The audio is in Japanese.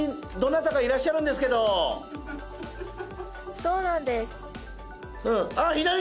そうなんです。